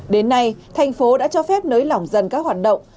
đến nay thành phố đã cho phép nới lỏng các hoạt động